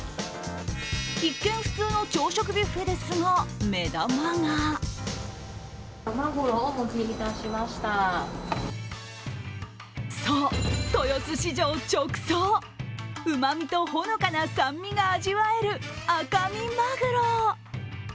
一見普通の朝食ビュッフェですが、目玉がそう、豊洲市場直送うまみとほのかな酸味が味わえる赤身マグロ。